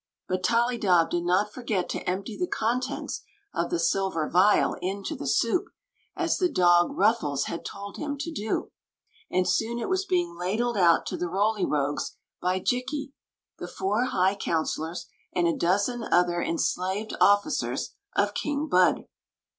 But Tollydob did not forget to empty the contents of the Silver Vial into the soup, as the dog Rufiies had told him to do ; and soon it was being ladled out to the Roly Rogues by Jikki, the four high counsel ors, and a dozen other enslaved officers of King Bud.